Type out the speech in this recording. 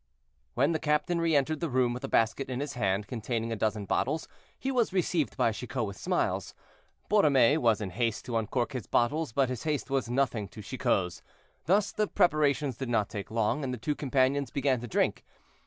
When the captain re entered the room with a basket in his hand containing a dozen bottles, he was received by Chicot with smiles. Borromée was in haste to uncork his bottles, but his haste was nothing to Chicot's; thus the preparations did not take long, and the two companions began to drink.